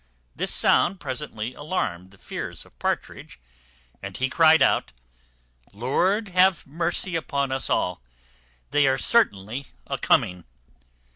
This sound presently alarmed the fears of Partridge, and he cried out, "Lord have mercy upon us all; they are certainly a coming!"